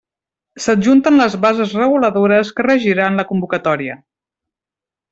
S'adjunten les bases reguladores que regiran la convocatòria.